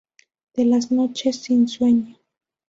De las noches sin sueño!